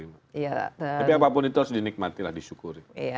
tapi apapun itu harus dinikmatilah disyukuri